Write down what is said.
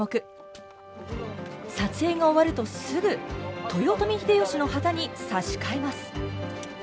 撮影が終わるとすぐ豊臣秀吉の旗に差し替えます。